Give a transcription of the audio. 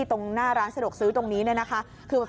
ตรงหน้าร้านสะดวกซื้อตรงนี้เนี่ยนะคะ